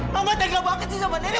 mama tergabung akan si sama nenek